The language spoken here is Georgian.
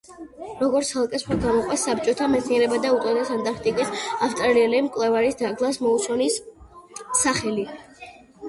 როგორც ცალკე ზღვა გამოყვეს საბჭოთა მეცნიერებმა და უწოდეს ანტარქტიკის ავსტრალიელი მკვლევარის დაგლას მოუსონის სახელი.